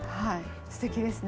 すてきですね。